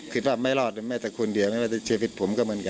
คิดว่าแต่ไม่รอดก็ไม่แต่คนเดียวและไม่ใจเชฟฤทธิ์กับผมก็เหมือนกัน